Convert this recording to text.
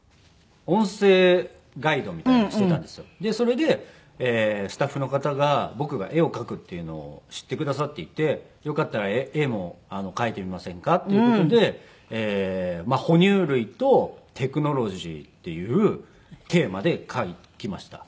でそれでスタッフの方が僕が絵を描くっていうのを知ってくださっていて「よかったら絵も描いてみませんか？」っていう事で哺乳類とテクノロジーっていうテーマで描きました。